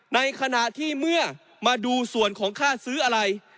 ในขณะที่เมื่อมาดูส่วนของค่าซื้ออะไร